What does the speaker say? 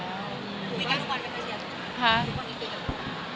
คุยกันตลอดกันกันไหม